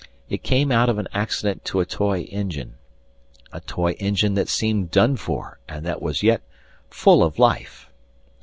It came out of an accident to a toy engine; a toy engine that seemed done for and that was yet full of life.